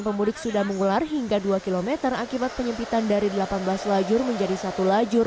pemudik sudah mengular hingga dua km akibat penyempitan dari delapan belas lajur menjadi satu lajur